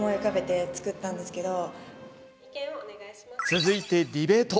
続いてディベート。